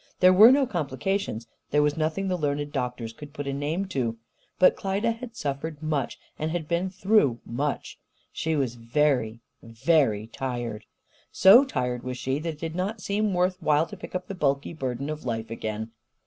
There were no complications; there was nothing the learned doctors could put a name to. But Klyda had suffered much and had been through much. She was very, very tired. So tired was she that it did not seem worth while to pick up the bulky burden of life again.